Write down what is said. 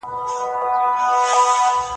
زه پرون سبزېجات وخوړل.